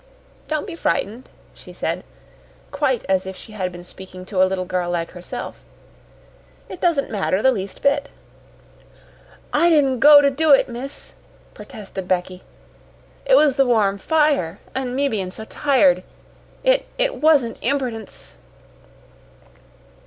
"Don't be frightened," she said, quite as if she had been speaking to a little girl like herself. "It doesn't matter the least bit." "I didn't go to do it, miss," protested Becky. "It was the warm fire an' me bein' so tired. It it WASN'T impertience!"